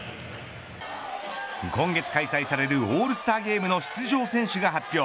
今月開催されるオールスターゲームの出場選手が発表。